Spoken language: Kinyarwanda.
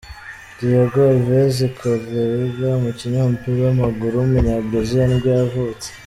Diego Alves Carreira, umukinnyi w’umupira w’amaguru w’umunyabrazil nibwo yavutse.